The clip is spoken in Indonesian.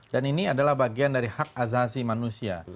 dan ini adalah bagian dari hak azasi manusia